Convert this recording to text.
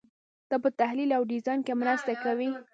دا په تحلیل او ډیزاین کې مرسته کوي.